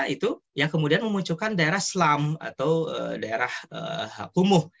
itu yang kemudian memunculkan daerah selam atau daerah kumuh